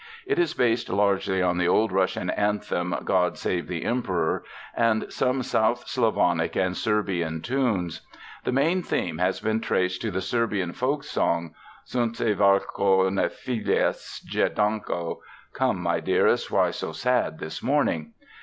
It is based largely on the old Russian anthem, "God Save the Emperor," and some South Slavonic and Serbian tunes. The main theme has been traced to the Serbian folk song, Sunce varko ne fijas jednako ("Come, my dearest, why so sad this morning?").